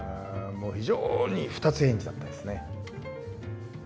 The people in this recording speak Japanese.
もう非常に二つ返事だったんですね。